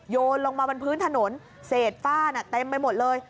โยนลงมาบนพื้นถนนเศษฝ้าน่ะเต็มไปหมดเลย